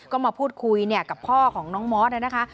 ก็มาพูดคุยกับพ่อของน้องมอสนะคะ